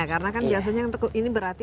karena kan biasanya ini berarti